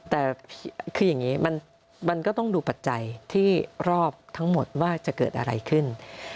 แต่คืออย่างนี้มันก็ต้องดูปัจจัยที่รอบทั้งหมดว่าจะเกิดอะไรขึ้น